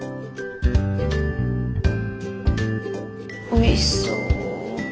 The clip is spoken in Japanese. おいしそう。